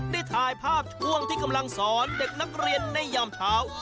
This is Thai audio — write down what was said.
ได้ถ่ายภาพช่วงที่กำลังสอนเด็กนักเรียนในยามเช้า